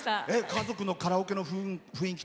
家族のカラオケの雰囲気